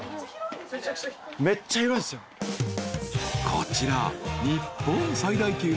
［こちら］